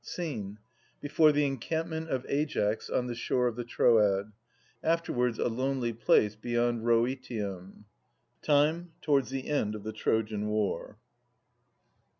Scene. Before the encampment of Aias on the shore of the Troad. Afterwards a lonely place beyond Rhoeteum. Time, towards the end of the Trojan War.